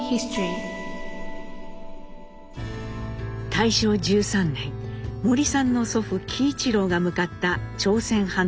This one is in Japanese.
大正１３年森さんの祖父喜一郎が向かった朝鮮半島清津。